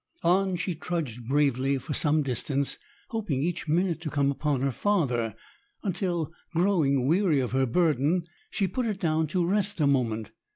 On she trudged bravely for some distance, hoping each minute to come upon her father, until, growing weary of her burden, she put it down to rest a moment.